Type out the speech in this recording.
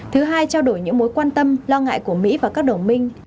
thứ hai trao đổi những mối quan tâm lo ngại của mỹ và các đồng minh